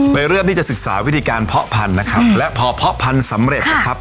เลยเริ่มที่จะศึกษาวิธีการเพาะพันธุ์นะครับและพอเพาะพันธุ์สำเร็จนะครับ